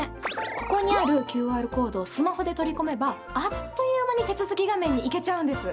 ここにあるＱＲコードをスマホで取り込めばあっという間に手続き画面に行けちゃうんです。